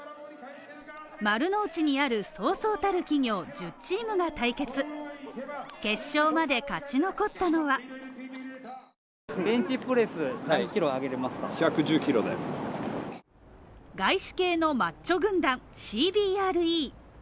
丸の内にあるそうそうたる企業１０チームが対決、決勝まで勝ち残ったのは外資系のマッチョ軍団ＣＢＲＥ。